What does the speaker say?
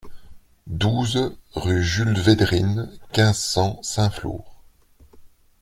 douze rue Jules Vedrines, quinze, cent, Saint-Flour